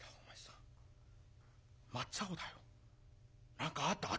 何かあったか？」。